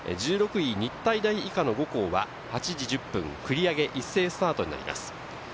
１６位・日体大以下の５校は８時１０分、繰り上げ一斉スタートになります。